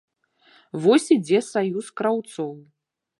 Вось ідзе саюз краўцоў.